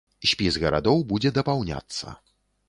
Спіс гарадоў будзе дапаўняцца.